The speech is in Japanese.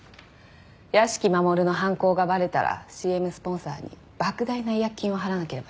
屋敷マモルの犯行がバレたらＣＭスポンサーに莫大な違約金を払わなければいけない。